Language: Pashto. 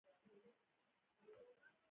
د صحیح بخاري په یوه روایت کې راغلي.